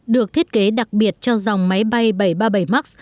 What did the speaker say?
được thiết kế đặc biệt cho dòng máy bay bảy trăm ba mươi bảy max